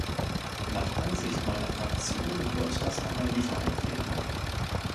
Nach Ansicht meiner Fraktion wird das aber nicht eintreten.